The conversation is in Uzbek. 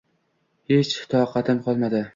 Hech toqatim qolmadi.